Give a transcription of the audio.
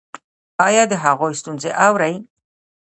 ایا د هغوی ستونزې اورئ؟